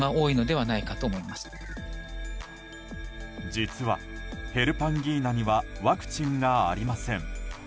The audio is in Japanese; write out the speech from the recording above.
実は、ヘルパンギーナにはワクチンがありません。